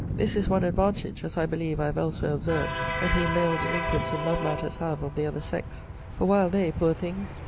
This is one advantage, as I believe I have elsewhere observed, that we male delinquents in love matters have of the other sex: for while they, poor things!